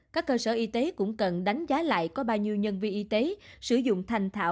các cơ sở y tế cũng cần đánh giá lại có bao nhiêu nhân viên y tế sử dụng thành thạo